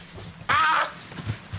ああ。